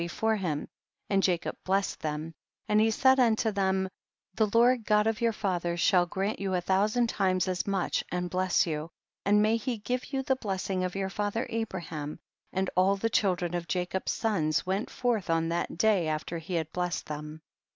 181 fore him, and Jacob blessed them, and he said unto them, the Lord God of your fathers shall grant you a thousand times as much and bless you, and may he give you the bless ing of your father Abraham ; and all the children of Jacob's sons went forth on that day after he had blessed them.